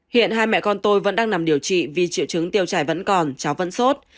hiện hai mẹ con tôi vẫn đang nằm điều trị vì triệu chứng tiêu chảy vẫn còn cháu vẫn sốt